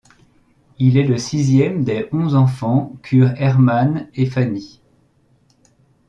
Il est le sixième des onze enfants qu'eurent Hermann et Fanny.